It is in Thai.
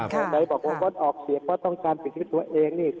ใครบอกว่างดออกเสียงเพราะต้องการปิดชีวิตตัวเองนี่